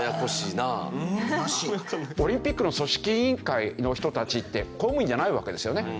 オリンピックの組織委員会の人たちって公務員じゃないわけですよね。